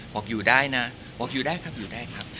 บอกอยู่ได้นะบอกอยู่ได้ครับอยู่ได้ครับ